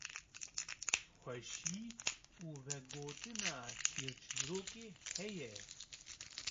xweşî û vegotina çîrçîrokê heye